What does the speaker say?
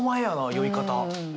酔い方！